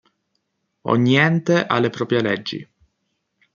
Ogni ente ha le proprie leggi.